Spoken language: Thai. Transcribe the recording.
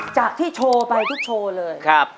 จากที่โชว์ไปทุกโชว์เลย